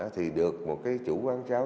thì được một cái chủ quán cháo